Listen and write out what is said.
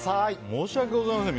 申し訳ございません。